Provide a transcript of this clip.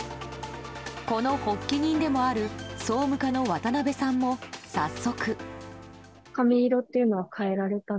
この発起人でもある総務課の渡辺さんも早速。